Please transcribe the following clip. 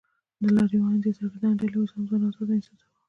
د لارویانو دې سرګردانه ډلې اوس هم ځان آزاد نه احساساوه.